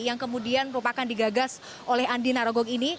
yang kemudian merupakan digagas oleh andi narogong ini